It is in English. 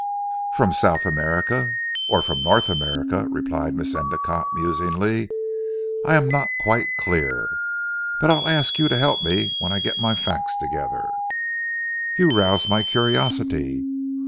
"From South America?" "Or from North America," replied Miss Endicotte musingly, "I am not quite clear. But I'll ask you to help me when I get my facts together." "You rouse my curiosity.